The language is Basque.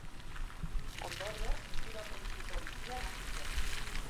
Ondorioz, giro politiko bizian hazi zen.